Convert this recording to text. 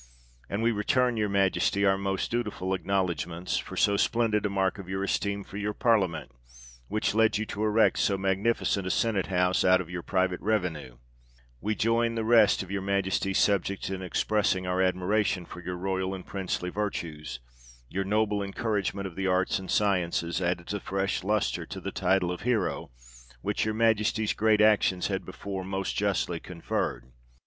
And we return your Majesty our most dutiful acknowledge ments, for so splendid a mark of your esteem for your Parliament, which led you to erect so magnifi cent a Senate House out of your private revenue. We join \vith the rest of your Majesty's subjects in expressing our admiration of your royal and princely virtues ; your noble encouragement of the arts and sciences, adds a fresh lustre to the title of hero, which your Majesty's great actions had before most justly conferred."